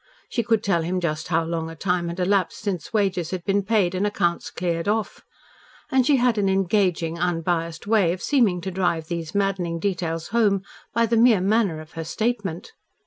She could tell him just how long a time had elapsed since wages had been paid and accounts cleared off. And she had an engaging, unbiassed way of seeming to drive these maddening details home by the mere manner of her statement.